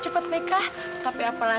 sebaiknya kita pergi